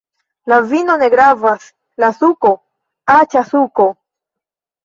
La vino ne gravas! la suko! aĉa suko!